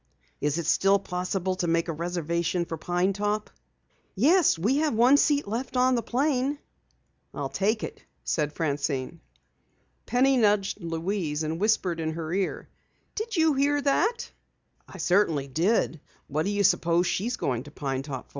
"Is it still possible to make a reservation for Pine Top?" "Yes, we have one seat left on the plane." "I'll take it," said Francine. Penny nudged Louise and whispered in her ear: "Did you hear that?" "I certainly did. Why do you suppose she's going to Pine Top?